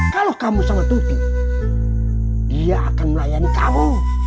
kalau kamu sama tuti dia akan melayani kamu